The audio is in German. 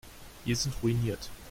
Wir sind ruiniert.